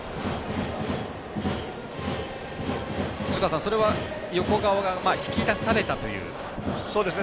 藤川さん、それは、横川が引き出されたという感じですかね。